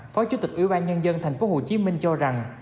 phó chủ tịch ủy ban nhân dân thành phố hồ chí minh cho rằng